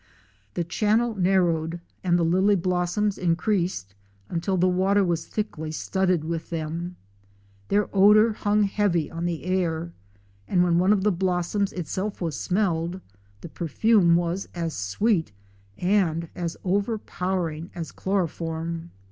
The channel narrowed and the lily blossoms increased until the water was thickly studded with them. 'Their odor hung heavy on the air and when one of the blossoms itself was smelled, the perfume was as sweet and as overpowering as chloroform.